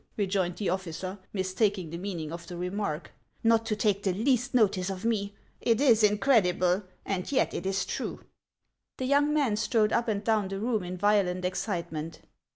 rejoined the officer, mistaking the meaning of the remark. " Xot to take the least notice of me ! It is incredible, and yet it is true." The young man strode up and down the room in violent excitement.